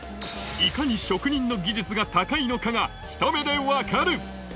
いかに職人の技術が高いのかがひと目でわかる！